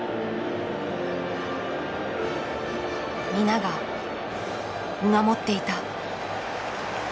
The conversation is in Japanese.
皆が見守っていた。